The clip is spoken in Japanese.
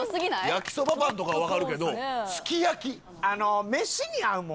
焼きそばパンとかはわかるけどすき焼き？